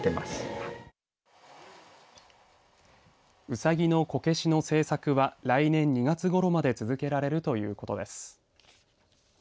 うさぎのこけしの制作は来年２月ごろまで続けられるということです。